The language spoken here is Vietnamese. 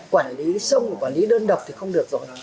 quản lý xong quản lý đơn độc thì không được rồi